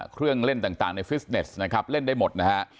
เครื่องเล่นต่างในฟิตเนสเล่นได้หมด